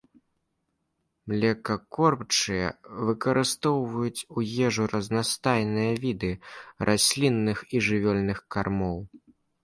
Млекакормячыя выкарыстоўваюць у ежу разнастайныя віды раслінных і жывёльных кармоў.